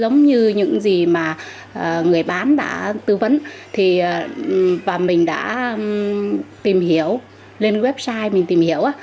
chứ những gì mà người bán đã tư vấn và mình đã tìm hiểu lên website mình tìm hiểu